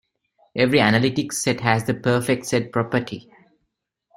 Every analytic set has the perfect set property.